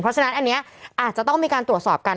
เพราะฉะนั้นอันนี้อาจจะต้องมีการตรวจสอบกัน